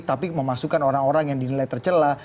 tapi memasukkan orang orang yang dinilai tercelah